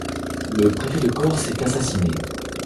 Le Préfet de Corse est assassiné.